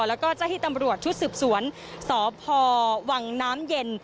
แล้วก็เจ้าที่ตำรวจชุดสืบสวนสพวังน้ำเย็น